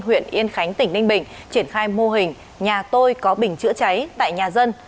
huyện yên khánh tỉnh ninh bình triển khai mô hình nhà tôi có bình chữa cháy tại nhà dân